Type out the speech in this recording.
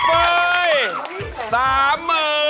เอาแล้วไป